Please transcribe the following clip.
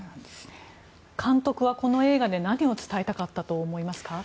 監督はこの映画で何を伝えたかったと思いますか？